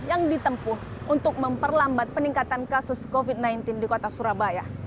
yang ditempuh untuk memperlambat peningkatan kasus covid sembilan belas di kota surabaya